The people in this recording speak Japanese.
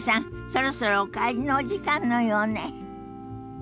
そろそろお帰りのお時間のようね。